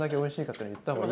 言った方がいい。